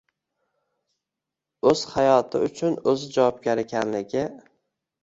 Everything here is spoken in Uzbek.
O‘z hayoti uchun o‘zi javobgar ekanligi.